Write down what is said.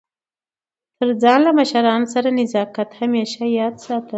تر ځان له مشرانو سره نزاکت همېشه یاد ساته!